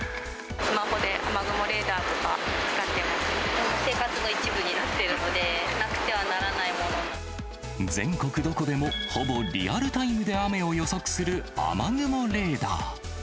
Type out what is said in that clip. スマホで雨雲レーダーとか使生活の一部になってるので、全国どこでも、ほぼリアルタイムで雨を予測する雨雲レーダー。